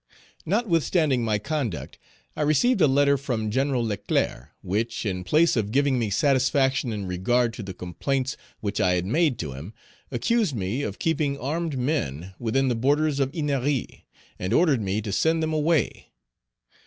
Notwithstanding my conduct, I received a letter from Gen. Leclerc, which, in place of giving me satisfaction in regard to the complaints which I had made to him, accused me of keeping armed men within the borders of Ennery, and ordered me to send them away.